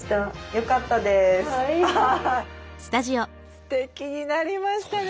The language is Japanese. ステキになりましたね。